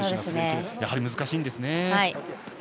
やはり、難しいんですね。